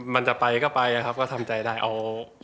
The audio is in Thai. มันจะไปก็ไปครับก็ทำใจได้เอาความอยู่รอดดีกว่า